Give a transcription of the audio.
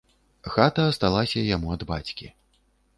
Хата асталася яму ад бацькі.